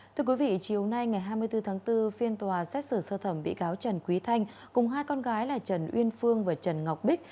thưa quý vị chiều nay ngày hai mươi bốn tháng bốn phiên tòa xét xử sơ thẩm bị cáo trần quý thanh cùng hai con gái là trần uyên phương và trần ngọc bích